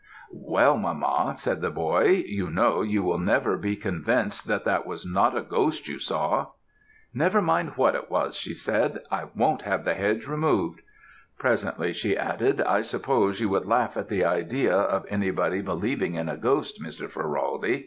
"'Well mamma,' said the boy, 'you know you will never be convinced that that was not a ghost you saw.' "'Never mind what it was,' she said; 'I won't have the hedge removed. Presently,' she added, 'I suppose you would laugh at the idea of anybody believing in a ghost, Mr. Ferraldi.'